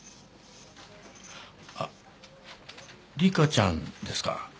あっ理香ちゃんですか？